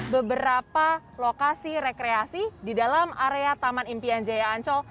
beberapa lokasi rekreasi di dalam area taman impian jaya ancol